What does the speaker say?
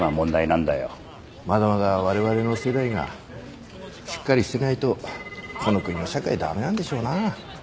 まだまだわれわれの世代がしっかりしてないとこの国の社会駄目なんでしょうな。